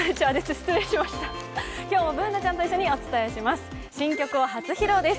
失礼しました、今日もＢｏｏｎａちゃんと一緒にお伝えします。